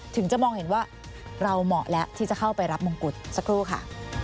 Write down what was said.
ถึงจะมองเห็นว่าเราเหมาะแล้วที่จะเข้าไปรับมงกุฎสักครู่ค่ะ